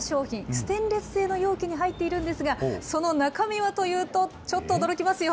ステンレス製の容器に入っているんですが、その中身はというと、ちょっと驚きますよ。